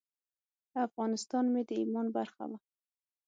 افغانستان مې د ایمان برخه وه.